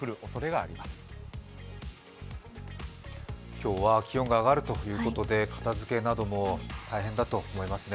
今日は気温が上がるということで片づけなども大変だと思いますね。